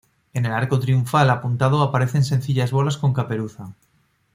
En el arco triunfal apuntado aparecen sencillas bolas con caperuza.